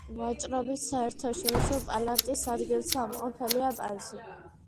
ვაჭრობის საერთაშორისო პალატის ადგილსამყოფელია პარიზი.